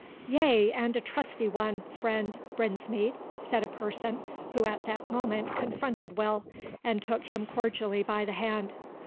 "Yea, and a trusty one, friend Brinsmead," said a person who at that moment confronted Will, and took him cordially by the hand.